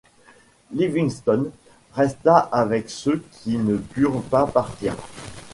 Livingston resta avec ceux qui ne purent pas partir.